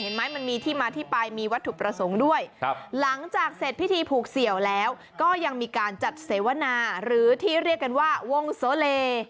มันมีที่มาที่ไปมีวัตถุประสงค์ด้วยหลังจากเสร็จพิธีผูกเสี่ยวแล้วก็ยังมีการจัดเสวนาหรือที่เรียกกันว่าวงโสเล